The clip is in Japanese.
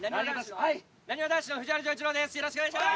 なにわ男子の藤原丈一郎です